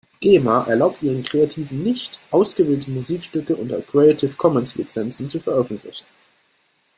Gema erlaubt ihren Kreativen nicht, ausgewählte Musikstücke unter Creative Commons Lizenzen zu veröffentlichen.